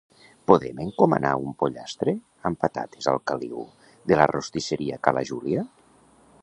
Podem encomanar un pollastre amb patates al caliu de la Rostisseria Ca La Júlia?